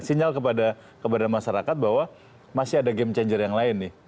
sinyal kepada masyarakat bahwa masih ada game changer yang lain nih